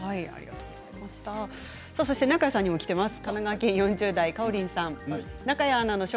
中谷さんにもきています。